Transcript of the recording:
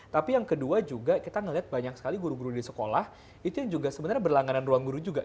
tapi yang kedua juga kita melihat banyak sekali guru guru di sekolah itu yang juga sebenarnya berlangganan ruang guru juga